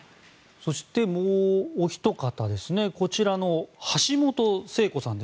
そして、もうおひと方こちらの橋本聖子さん。